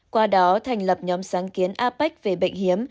qua đó thành lập nhóm sáng kiến apec về bệnh hiếm